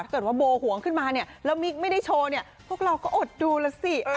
ถ้าเกิดว่าโบห่วงขึ้นมาเนี่ยแล้วมิ๊กไม่ได้โชว์เนี่ยพวกเราก็อดดูแล้วสิ